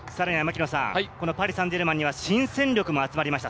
パリ・サンジェルマンには新戦力も集まりました。